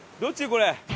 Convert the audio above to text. これ。